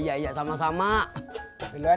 kita pareceudi dulu kan